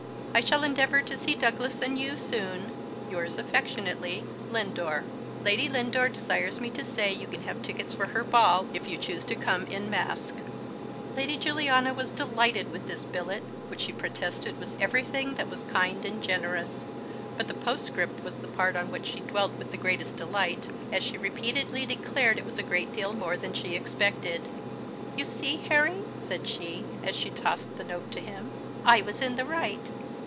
I shall endeavour to see Douglas and you soon. Yours affectionately, LINDORE." "Lady Lindore desires me to say you can have tickets for her ball, if you choose to come en masque." Lady Juliana was delighted with this billet, which she protested was everything that was kind and generous; but the postscript was the part on which she dwelt with the greatest delight, as she repeatedly declared it was a great deal more than she expected. "You see, Harry," said she, as she tossed the note to him, "I was in the right.